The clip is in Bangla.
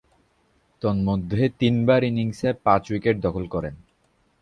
তন্মধ্যে, তিনবার ইনিংসে পাঁচ-উইকেট দখল করেন।